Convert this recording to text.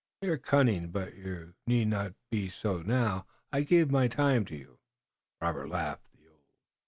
You are cunning, but you need not be so now. I give my time to you." Robert laughed.